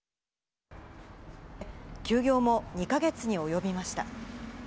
休業も２か月に及びました。